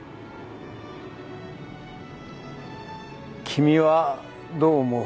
君はどう思う？